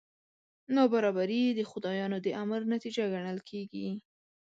نابرابري د خدایانو د امر نتیجه ګڼل کېږي.